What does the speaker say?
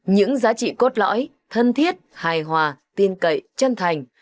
những giá trị cốt lõi thân thiết hài hòa tin cậy chân thành